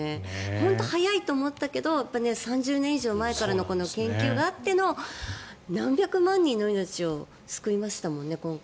本当に早いと思ったけど３０年以上前からのこの研究があっての何百万人の命を救いましたもんね。